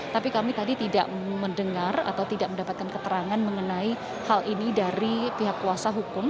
tapi kami tadi tidak mendengar atau tidak mendapatkan keterangan mengenai hal ini dari pihak kuasa hukum